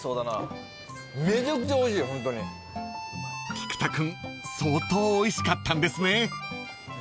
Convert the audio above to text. ［菊田君相当おいしかったんですね］